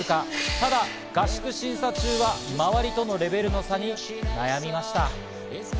ただ合宿審査中は周りとのレベルの差に悩みました。